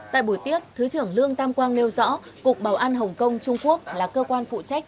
tại buổi tiếp thứ trưởng lương tam quang nêu rõ cục bảo an hồng kông trung quốc là cơ quan phụ trách